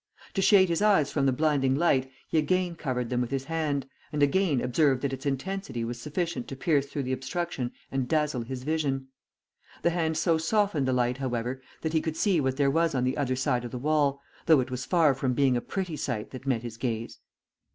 To shade his eyes from the blinding light, he again covered them with his hand, and again observed that its intensity was sufficient to pierce through the obstruction and dazzle his vision. The hand so softened the light, however, that he could see what there was on the other side of the wall, though it was far from being a pretty sight that met his gaze.